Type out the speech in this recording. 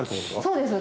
そうです。